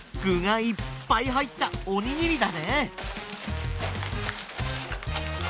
ぐがいっぱいはいったおにぎりだね！